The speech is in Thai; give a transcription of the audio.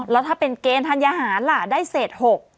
แล้วถ้าเป็นเกณฑ์ธัญหารล่ะได้เศษ๖